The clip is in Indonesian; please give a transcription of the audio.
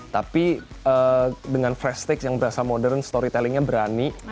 tapi dengan fresh take yang berasal modern storytellingnya berani